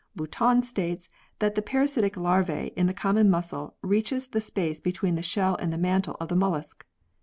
Boutan states that the parasitic larva in the common mussel reaches the space between the shell and the mantle of the mollusc.